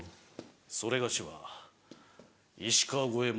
「それがしは石川五ェ門」。